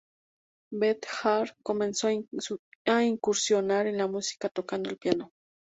Beth Hart comenzó a incursionar en la música tocando el piano.